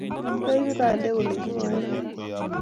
Kiabi bandek ole ki ng'aen amut